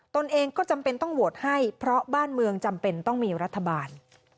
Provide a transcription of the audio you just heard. ตนเองก็จำเป็นต้องโหวตให้เพราะบ้านเมืองจำเป็นต้องมีรัฐบาล